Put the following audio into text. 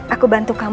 aku bantu kamu